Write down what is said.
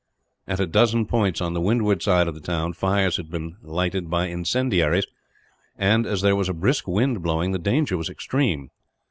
At a dozen points, on the windward side of the town, fires had been lighted by incendiaries and, as there was a brisk wind blowing, the danger was extreme.